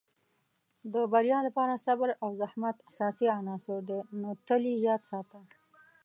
د بریا لپاره صبر او زحمت اساسي عناصر دي، نو تل یې یاد ساته.